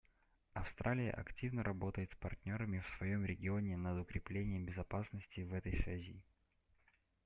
Австралия активно работает с партнерами в своем регионе над укреплением безопасности в этой связи.